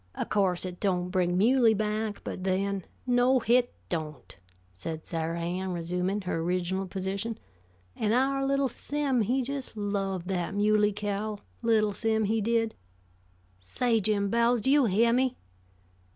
O' course it don't bring Muley back, but then " "No, hit don't," said Sarah Ann, resuming her original position. "And our little Sim, he just loved that Muley cow, little Sim, he did. Say, Jim Bowles, do you heah me!"